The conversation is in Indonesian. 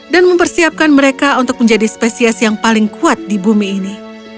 dan mempersiapkan mereka untuk menjadi spesies yang paling kuat di bumi ini